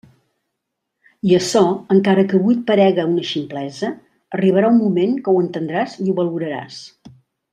I açò, encara que avui et parega una ximplesa, arribarà un moment que ho entendràs i ho valoraràs.